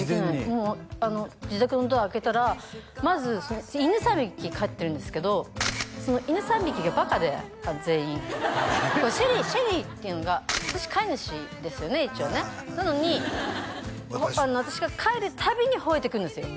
もうあの自宅のドア開けたらまず犬３匹飼ってるんですけどその犬３匹がバカで全員シェリーシェリーっていうのが私飼い主ですよね一応ねなのに私が帰るたびにほえてくるんですよ